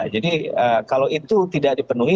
jadi kalau itu tidak dipenuhi